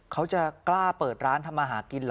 เขาจะกล้าเปิดร้านทำมาหากินเหรอ